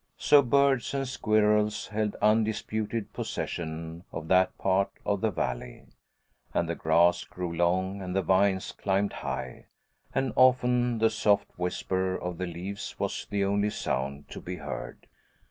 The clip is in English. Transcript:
So birds and squirrels held undisputed possession of that part of the Valley, and the grass grew long and the vines climbed high, and often the soft whisper of the leaves was the only sound to be heard.